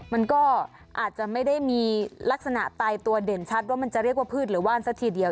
มันก็อาจจะไม่ได้มีลักษณะตายตัวเด่นชัดว่ามันจะเรียกว่าพืชหรือว่านซะทีเดียว